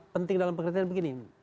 penting dalam pengertian begini